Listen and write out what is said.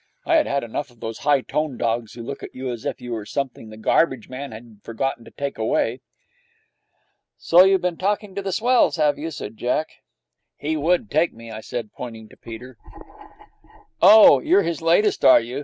I had had enough of those high toned dogs who look at you as if you were something the garbage man had forgotten to take away. 'So you've been talking to the swells, have you?' said Jack. 'He would take me,' I said, pointing to Peter. 'Oh, you're his latest, are you?